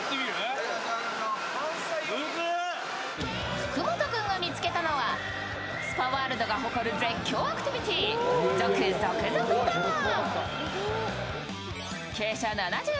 福本君が見つけたのはスパワールドが誇る絶叫アクティビティー続・ぞくぞくバーン。